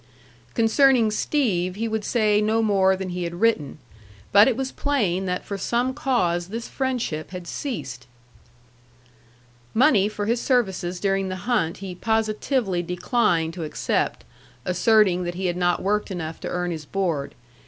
Concerning Steve he would say no more than he had written. But it was plain that for some cause this friendship had ceased. Money for his services during the hunt he positively declined to accept, asserting that he had not worked enough to earn his board.